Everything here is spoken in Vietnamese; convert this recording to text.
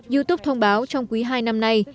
youtube thông báo trong quý hai năm nay